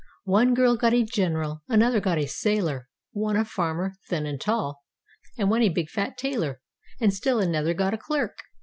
One girl got a general; Another got a sailor; One a farmer, thin and tall. And one a big, fat tailor; And still another got a clerk.